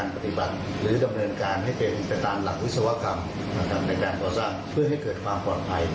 เพื่อให้เกิดความปลอดภัย